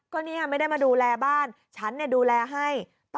ก็เนี่ยไม่ได้มาดูแลบ้านฉันดูแลให้